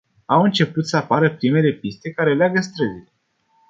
Au început să apară primele piste care leagă străzile.